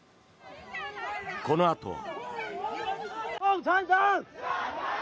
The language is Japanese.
このあとは。